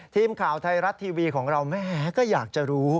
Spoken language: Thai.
ทีมข่าวไทยรัฐทีวีของเราแม่ก็อยากจะรู้